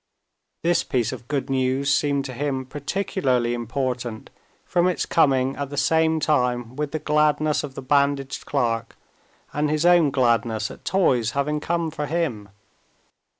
This piece of good news seemed to him particularly important from its coming at the same time with the gladness of the bandaged clerk and his own gladness at toys having come for him.